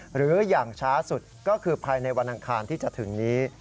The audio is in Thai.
หรืออย่างช้าสุดก็คือภายในวันอังคารที่จะถึงนี้